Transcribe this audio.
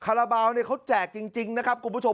อะไรเขาแจกจริงนะครับคุณผู้ชม